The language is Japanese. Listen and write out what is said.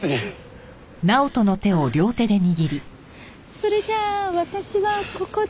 それじゃあ私はここで。